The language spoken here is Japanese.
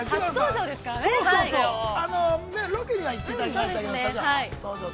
ロケには、行っていただきましたけど。